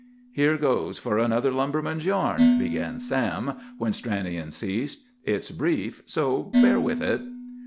'" "Here goes for another lumberman's yarn," began Sam, when Stranion ceased. "It's brief, so bear with it.